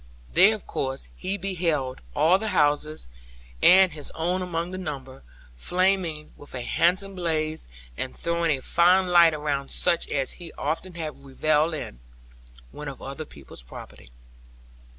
There, of course, he beheld all the houses, and his own among the number, flaming with a handsome blaze, and throwing a fine light around such as he often had revelled in, when of other people's property.